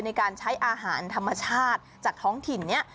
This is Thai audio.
ในการใช้อาหารธรรมชาติจากท้องถิ่นนี้